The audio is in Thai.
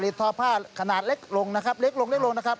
ผลิตทอพ่าขนาดเล็กลงนะครับ